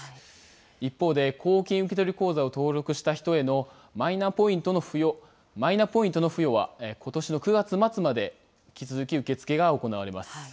一方で、公金受取口座を登録した人へのマイナポイントの付与はことしの９月末まで引き続き受け付けが行われます。